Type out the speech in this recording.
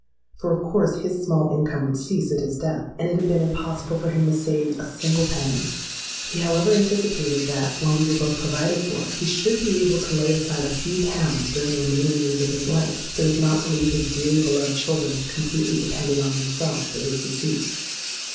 For of course his small income would cease at his death; and it had been impossible for him to save a single penny. He, however, anticipated that, when we were both provided for, he should be able to lay aside a few pounds during the remaining years of his life, so as not to leave his dearly beloved children completely dependant on themselves at his decease.